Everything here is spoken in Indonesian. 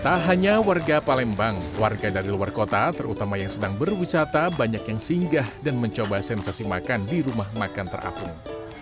tak hanya warga palembang warga dari luar kota terutama yang sedang berwisata banyak yang singgah dan mencoba sensasi makan di rumah makan terapung